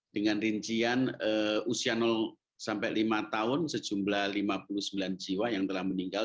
dengan rincian usia sampai lima tahun sejumlah lima puluh sembilan jiwa yang telah meninggal